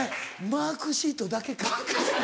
マークシートだけ。